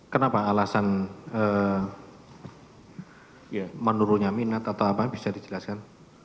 kenapa alasan menurunnya minat atau apa bisa dijelaskan